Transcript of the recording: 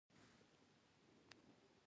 دویمه سطح مستقل موضوع ګرځي.